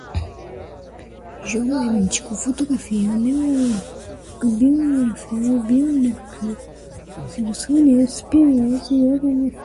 geoquímica, fotoquímica, neuroquímica, bio-orgânica, bioinorgânica, actinídeos, fulerenos, polímeros, organometálica